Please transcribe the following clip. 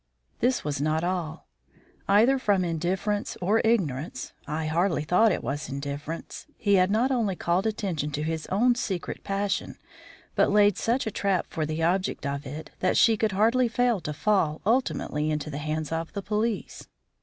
This was not all. Either from indifference or ignorance I hardly thought it was indifference he had not only called attention to his own secret passion, but laid such a trap for the object of it that she could hardly fail to fall ultimately into the hands of the police.